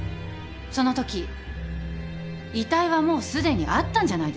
そのとき遺体はもうすでにあったんじゃないですか？